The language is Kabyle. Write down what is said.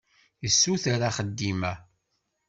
Yessuter axeddim-a.